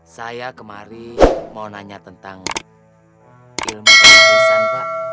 saya kemarin mau nanya tentang ilmu pengetahuan pak